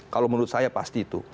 kalau menurut saya pasti itu